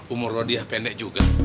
umur rodia pendek juga